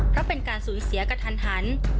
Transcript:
เพราะเป็นการสูญเสียกระทันหัน